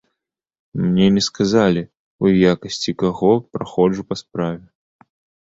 Мне не сказалі, у якасці каго праходжу па справе.